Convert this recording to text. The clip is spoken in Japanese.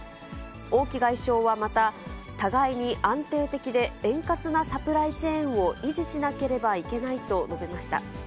王毅外相はまた、互いに安定的で円滑なサプライチェーンを維持しなければいけないと述べました。